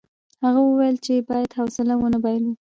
هغه وویل چې باید حوصله ونه بایلو.